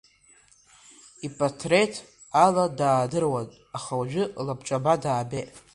Ипатреҭ ала даадыруан, аха уажәы лабҿаба даабеит…